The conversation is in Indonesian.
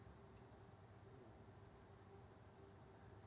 apakah memang ini salah satu faktor yang diduga penyebab terjadinya longsor